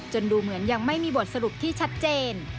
ดูเหมือนยังไม่มีบทสรุปที่ชัดเจน